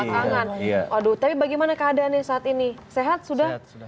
aduh tapi bagaimana keadaannya saat ini sehat sudah